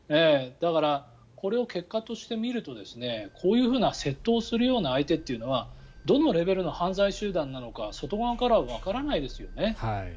だからこれを結果として見るとこういうふうな窃盗するような相手はどのレベルの犯罪集団なのか外側からわからないですよね。